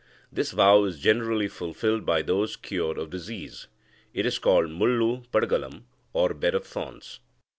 This vow is generally fulfilled by those cured of disease. It is called mullu padagalam, or bed of thorns.